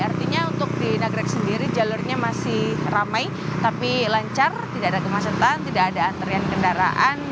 artinya untuk di nagrek sendiri jalurnya masih ramai tapi lancar tidak ada kemacetan tidak ada antrian kendaraan